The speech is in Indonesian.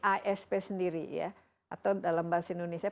asp sendiri ya atau dalam bahasa indonesia